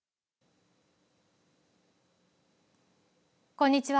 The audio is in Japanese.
こんにちは。